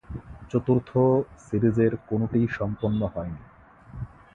চতুর্থ সিরিজের কোনোটিই সম্পন্ন হয়নি।